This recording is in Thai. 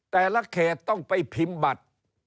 แต่ละเขตต้องไปพิมพ์บัตร